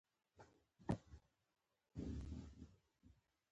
پلاستيک ته اړتیا هم شته.